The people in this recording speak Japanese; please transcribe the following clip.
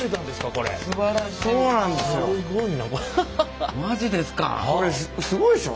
これすごいでしょ？